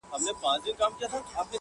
بیا د صمد خان او پاچاخان حماسه ولیکه!.